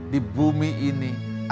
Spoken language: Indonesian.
di bumi ini